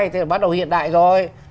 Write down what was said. thì bắt đầu hiện đại rồi